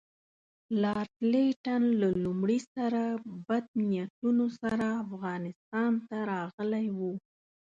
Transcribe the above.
لارډ لیټن له لومړي سره بد نیتونو سره افغانستان ته راغلی وو.